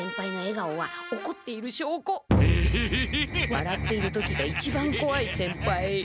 わらっている時が一番こわい先輩。